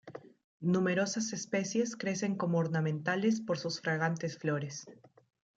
Numerosas especies crecen como ornamentales por sus fragantes flores.